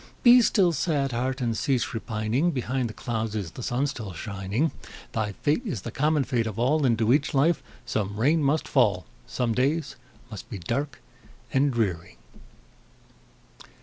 Be still, sad heart! and cease repining; Behind the clouds is the sun still shining; Thy fate is the common fate of all, Into each life some rain must fall, Some days must be dark and dreary.